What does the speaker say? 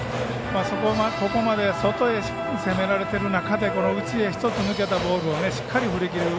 ここまで外へ攻められている中で内へきたボールをしっかり振り切る。